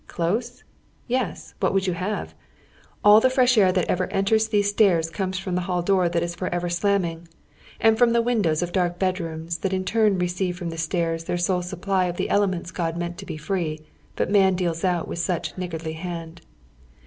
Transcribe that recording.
Close ? Yes ! What would you have ? All the fresh air that ever enters these stairs comes from tiie hall door that is forever slamming, and from the windows of dark bedrooms that in turn receive from the stairs their sole supply of the elements God meant to be free, but man deals out with such niggardly hand.